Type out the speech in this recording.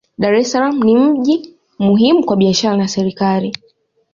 Dar es Salaam ni mji muhimu kwa biashara na serikali.